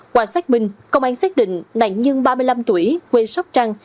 qua xác minh công an xác định nạn nhân ba mươi năm tuổi quê sóc trăng